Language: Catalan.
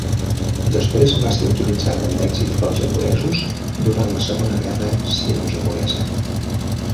Després va ser utilitzat amb èxit pels japonesos durant la Segona Guerra sinojaponesa